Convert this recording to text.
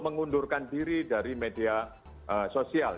mengundurkan diri dari media sosial